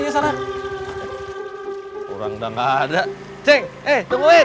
juga sana kurang udah enggak ada ceng eh tungguin